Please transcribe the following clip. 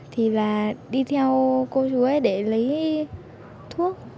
thì là đi theo cô chú ấy để lấy thuốc